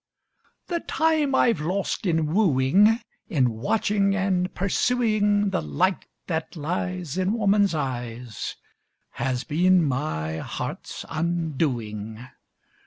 The time I've lost in wooing, In watching and pursuing The light, that lies In woman's eyes, Has been my heart's undoing.